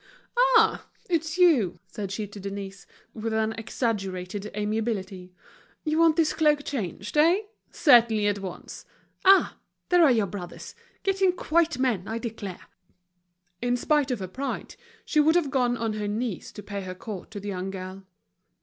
"Ah! it's you," said she to Denise, with an exaggerated amiability. "You want this cloak changed, eh? Certainly, at once. Ah! there are your brothers; getting quite men, I declare!" In spite of her pride, she would have gone on her knees to pay her court to the young girl.